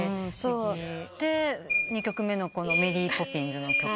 で２曲目の『メリー・ポピンズ』の曲。